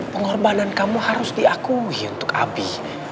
pengorbanan kamu harus diakui untuk api